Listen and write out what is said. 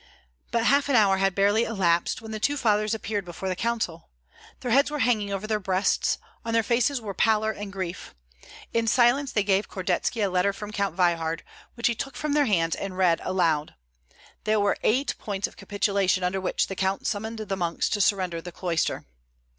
But half an hour had barely elapsed when the two fathers appeared before the council. Their heads were hanging over their breasts, on their faces were pallor and grief. In silence they gave Kordetski a letter from Count Veyhard, which he took from their hands and read aloud. There were eight points of capitulation under which the count summoned the monks to surrender the cloister.